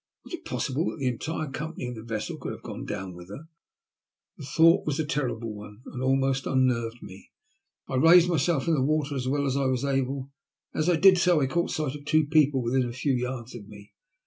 Was it possible that the entire company of the vessel could have gone down with her ? The thought was a terrible one, and almost unnerved me. I raised myself in the wat^r as well as I was able, and as I did so I caught sight of two people within a few yards of me.